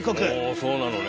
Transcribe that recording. そうなのね。